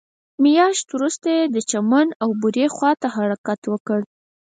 مياشت وروسته يې د چمن او بوري خواته حرکت وکړ.